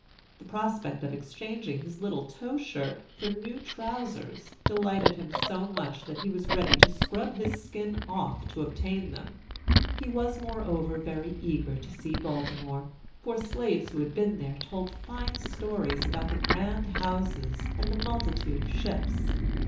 The prospect of exchanging his little tow shirt for new trousers delighted him so much that he was ready to scrub his skin off to obtain them. He was, moreover, very eager to see Baltimore; for slaves who had been there told fine stories about the grand houses and the multitude of ships.